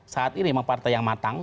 saat ini memang partai yang matang